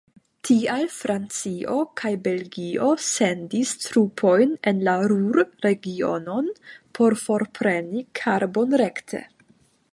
Tial Francio kaj Belgio sendis trupojn en la Ruhr-regionon por forpreni karbon rekte.